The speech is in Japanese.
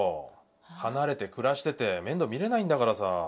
離れて暮らしてて面倒見れないんだからさ。